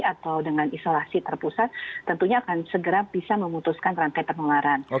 atau dengan isolasi terpusat tentunya akan segera bisa memutuskan rantai penularan